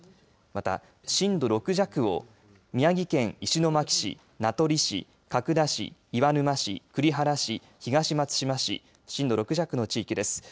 また、震度６弱を宮城県石巻市、名取市角田市、岩沼市、栗原市東松島市震度６弱の地域です。